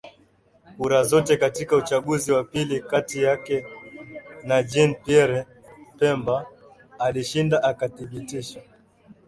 kura zote Katika uchaguzi wa pili kati yake na JeanPierre Bemba alishinda akathibitishwa